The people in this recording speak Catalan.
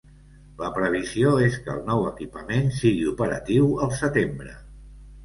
La previsió és que el nou equipament sigui operatiu al setembre.